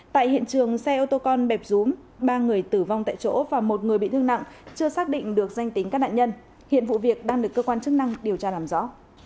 tại hiện trường xe ô tô con bẹp rúm ba người tử vong tại chỗ và một người bị thương nặng chưa xác định được danh tính các nạn nhân hiện vụ việc đang được cơ quan chức năng điều tra làm rõ